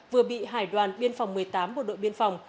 vừa bị hải đoàn biên phòng một mươi tám bộ đội biên phòng